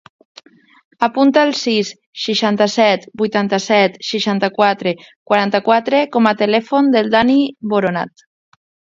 Apunta el sis, seixanta-set, vuitanta-set, seixanta-quatre, quaranta-quatre com a telèfon del Dani Boronat.